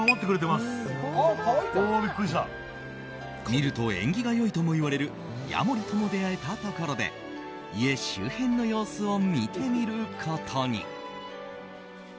見ると縁起が良いともいわれるヤモリとも出会えたところで家周辺の様子を見てみることに。